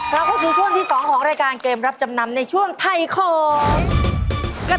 เราเข้าสู่ช่วงที่๒ของรายการเกมรับจำนำในช่วงไทยของ